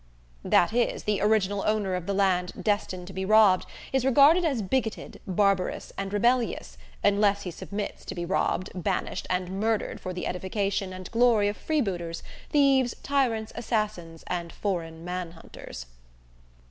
That is, the original owner of the land destined to be robbed is regarded as bigoted, barbarous and rebellious, unless he submits to be robbed, banished and murdered for the edification and glory of freebooters, thieves, tyrants, assassins and foreign man hunters.